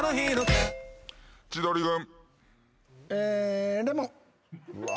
千鳥軍。